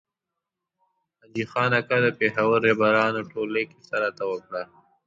حاجي خان اکا د پېښور رهبرانو ټولۍ کیسه راته وکړه.